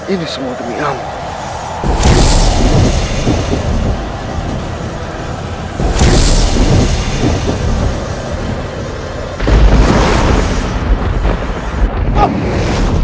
ini semua demi aku